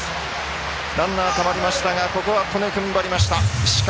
ランナーたまりましたがここは戸根がふんばりました。